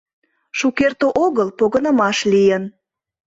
— Шукерте огыл погынымаш лийын.